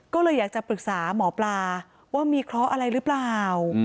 ก็เลยอยากจะปรึกษาหมอปลาว่ามีเคราะห์อะไรหรือเปล่า